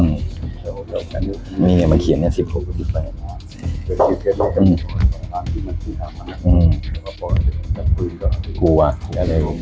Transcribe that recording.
นี่เนี่ยเมื่อเขียนเนี่ย๑๖กว่า๑๘นะครับ